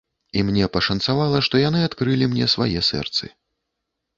І мне пашанцавала, што яны адкрылі мне свае сэрцы.